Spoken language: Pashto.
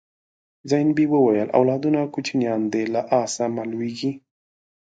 زینبې وویل اولادونه کوچنیان دي له آسه مه لوېږئ.